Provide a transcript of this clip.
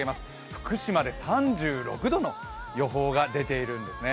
福島で３６度の予報が出ているんですね。